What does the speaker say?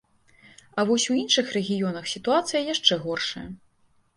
А вось у іншых рэгіёнах сітуацыя яшчэ горшая.